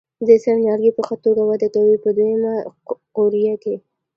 دې سره نیالګي په ښه توګه وده کوي په دوه یمه قوریه کې.